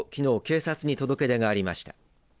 警察に届け出がありました。